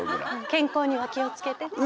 健康には気を付けてね。